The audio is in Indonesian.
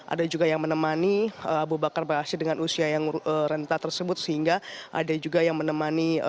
ada juga yang menemani abu bakar ba'asyir dengan usia yang renta tersebut sehingga ada juga yang menemani